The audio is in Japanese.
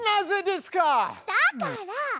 だから！